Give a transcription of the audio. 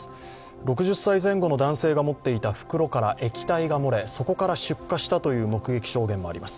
６０歳前後の男性が持っていた袋から液体が漏れ、そこから出火したという目撃証言もあります。